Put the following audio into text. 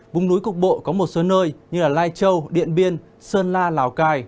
vùng núi cục bộ có một số nơi như lai châu điện biên sơn la lào cai